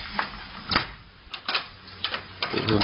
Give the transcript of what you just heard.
นี่ขอโทษนะ